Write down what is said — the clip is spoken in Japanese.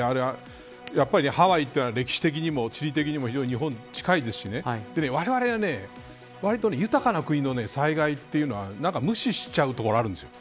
やっぱりハワイというのは歴史的にも地理的にも非常に日本に近いですしわれわれはわりと豊かな国の災害というのは無視しちゃうところがあるんですよ。